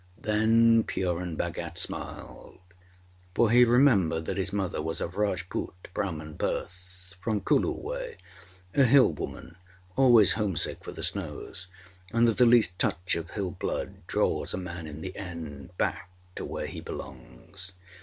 Then Purun Bhagat smiled, for he remembered that his mother was of Rajput Brahmin birth, from Kulu way a Hill woman, always home sick for the snows and that the least touch of Hill blood draws a man in the end back to where he belongs.